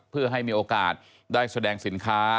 เพื่อให้มีโอกาสได้แสดงสินค้า